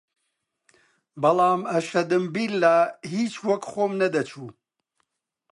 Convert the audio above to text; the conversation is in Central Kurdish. بەڵام ئەشەدەمبیللا هیچ وەک خۆم نەدەچوو